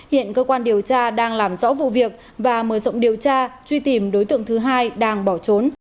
hiện cơ quan điều tra đang làm rõ vụ việc và mở rộng điều tra truy tìm đối tượng thứ hai đang bỏ trốn